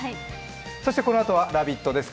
そしてこのあとは「ラヴィット！」です。